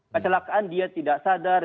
kecelakaan dia tidak sadar